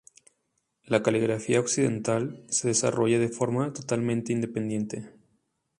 La caligrafía occidental se desarrolla de forma totalmente independiente.